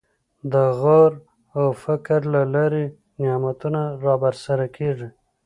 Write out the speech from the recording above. د غور او فکر له لارې نعمتونه رابرسېره کېږي.